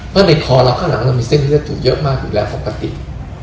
เพราะในคอเราข้างหลังเรามีเส้นเลือดอยู่เยอะมากอยู่แล้วปกติ